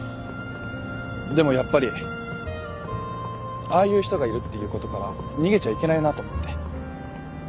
でもやっぱりああいう人がいるっていうことから逃げちゃいけないなと思って。